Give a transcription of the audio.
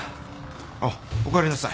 あっおかえりなさい。